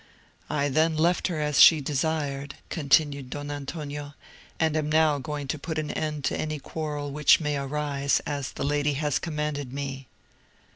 I then left her as she desired," continued Don Antonio, "and am now going to put an end to any quarrel which may arise, as the lady has commanded me."